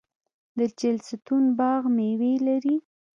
د چهلستون باغ میوې لري.